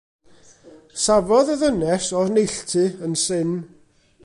Safodd y ddynes o'r neilltu, yn syn.